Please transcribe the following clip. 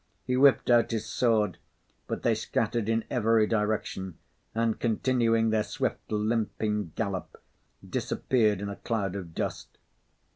He whipped out his sword, but they scattered in every direction and continuing their swift, limping gallop, disappeared in a cloud of dust.